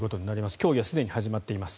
競技はすでに始まっています。